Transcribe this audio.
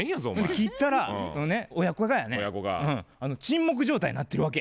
切ったら親子がやね沈黙状態になってるわけ。